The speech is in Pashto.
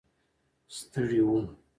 ستړي و.